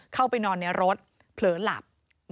เข้าไปนอนในรถเผลอหลับ